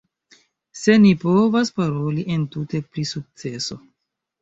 Se ni povas paroli entute pri sukceso?